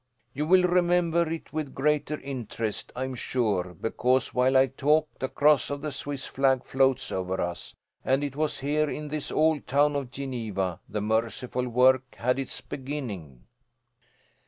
You will remember it with greater interest, I am sure, because, while I talk, the cross of the Swiss flag floats over us, and it was here in this old town of Geneva the merciful work had its beginning."